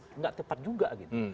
tidak tepat juga gitu